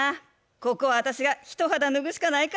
ここは私が一肌脱ぐしかないか。